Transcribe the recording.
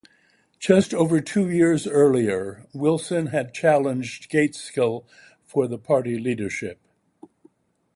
Just over two years earlier Wilson had challenged Gaitskell for the party leadership.